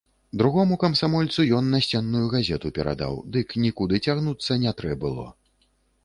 Другому камсамольцу ён насценную газету перадаў, дык нікуды цягнуцца не трэ было.